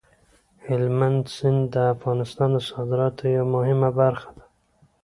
هلمند سیند د افغانستان د صادراتو یوه مهمه برخه ده.